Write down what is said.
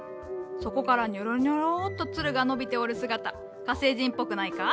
そこからニョロニョロッとツルが伸びておる姿火星人っぽくないか？